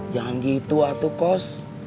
jangan gitu atukos